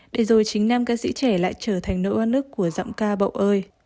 để rồi chính nam ca sĩ trẻ lại trở thành nỗi oan ức của giọng ca bậu ơi